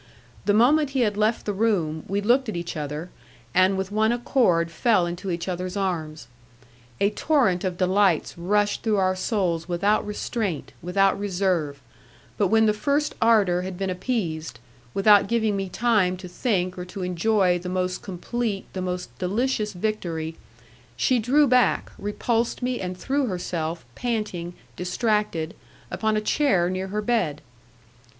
The moment he had left the room we looked at each other, and with one accord fell into each other's arms. A torrent of delights rushed through our souls without restraint, without reserve, but when the first ardour had been appeased, without giving me time to think or to enjoy the most complete, the most delicious victory, she drew back, repulsed me, and threw herself, panting, distracted, upon a chair near her bed.